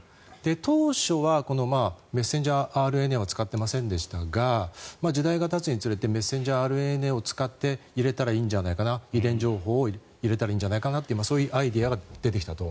当初はメッセンジャーＲＮＡを使ってませんでしたが時代がたつにつれてメッセンジャーＲＮＡを使って入れたらいいんじゃないかな遺伝情報を入れたらいいんじゃないかなというそういうアイデアが出てきたと。